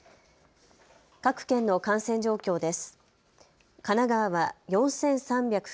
各県の感染状況です。